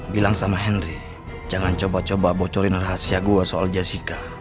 bilang sama henry jangan coba coba bocorin rahasia gue soal jessica